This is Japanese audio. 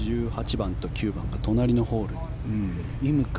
１８番と９番が隣のホール。